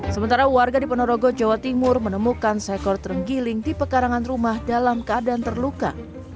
sementara warga di ponorogo jawa timur menemukan seekor terenggiling di pekarangan rumah dalam keadaan terluka